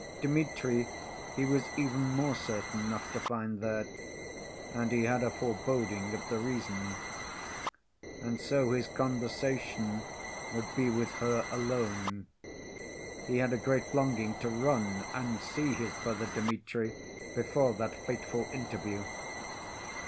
Dmitri he was even more certain not to find there, and he had a foreboding of the reason. And so his conversation would be with her alone. He had a great longing to run and see his brother Dmitri before that fateful interview.